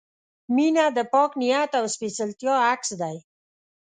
• مینه د پاک نیت او سپېڅلتیا عکس دی.